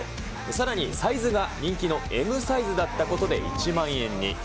さらにサイズが人気のＭサイズだったことで１万円に。